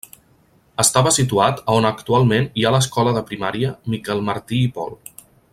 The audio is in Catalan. Estava situat a on actualment hi ha l'escola de primària Miquel Martí i Pol.